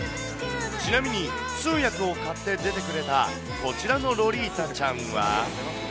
ちなみに、通訳を買って出てくれた、こちらのロリータちゃんは。